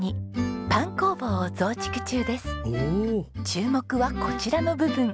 注目はこちらの部分。